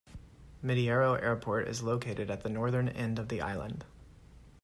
Mitiaro Airport is located at the northern end of the island.